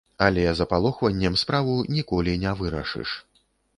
Але запалохваннем справу ніколі не вырашыш.